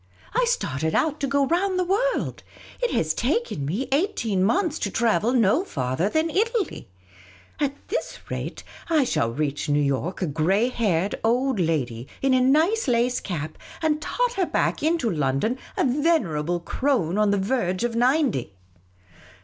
" I started out to go round the world ; it has taken me eighteen months to travel no farther than Italy ! At this rate, I shall reach New York a grey haired old lady, in a nice lace cap, and totter back into London a venerable crone on the verge of ninety."